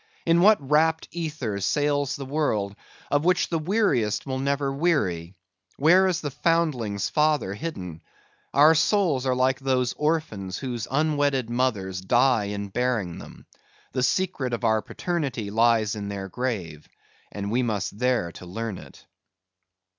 In what rapt ether sails the world, of which the weariest will never weary? Where is the foundling's father hidden? Our souls are like those orphans whose unwedded mothers die in bearing them: the secret of our paternity lies in their grave, and we must there to learn it.